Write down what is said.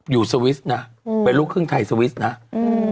อยู่ซาวิชนะอืมเป็นลูกพึ่งไทยซาวิทย์นะอืม